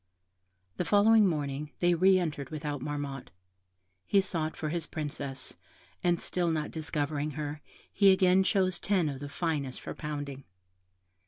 The following morning, they re entered without Marmotte; he sought for his Princess, and still not discovering her, he again chose ten of the finest for pounding.